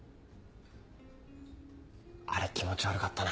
あれ気持ち悪かったな。